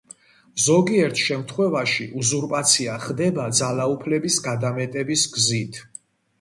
ზოგიერთ შემთხვევაში უზურპაცია ხდება ძალაუფლების გადამეტების გზით.